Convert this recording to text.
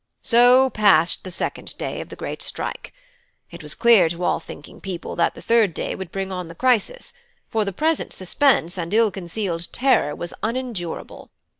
"So passed the second day of the great strike. It was clear to all thinking people that the third day would bring on the crisis; for the present suspense and ill concealed terror was unendurable.